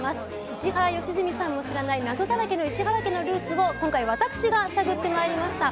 石原良純さんも知らない謎だらけの石原家のルーツを私が探ってまいりました。